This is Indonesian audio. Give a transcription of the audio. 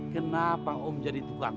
kenapa om jadi tulang sampah